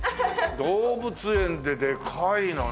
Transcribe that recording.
動物園ででかいのね。